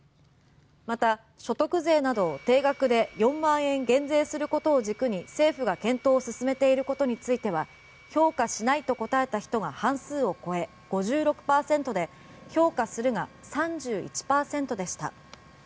また、所得税などを定額で４万円減税することを軸に政府が検討を進めていることについては評価しないと答えた人が半数を超え、５６％で評価するが３１％でした。